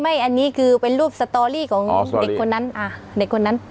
ไม่อันนี้คือเป็นรูปสตอรี่ของเด็กคนนั้น